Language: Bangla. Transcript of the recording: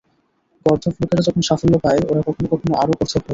গর্দভ লোকেরা যখন সাফল্য পায়, ওরা কখনো কখনো আরও গর্দভ হয়ে যায়।